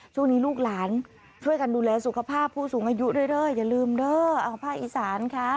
ลูกหลานช่วยกันดูแลสุขภาพผู้สูงอายุด้วยอย่าลืมเด้อเอาภาคอีสานค่ะ